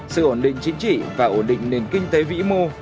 sự ổn định chính trị và ổn định nền kinh tế vĩ mô